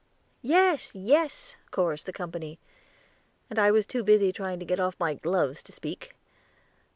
"Yes, yes," chorused the company, and I was too busy trying to get off my gloves to speak.